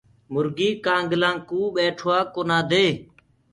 مُرگي ڪآنگلآ ڪوُ بيٽو ڪونآ دي۔